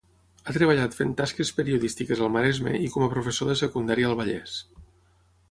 Ha treballat fent tasques periodístiques al Maresme i com a professor de secundària al Vallès.